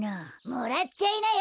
・もらっちゃいなよ！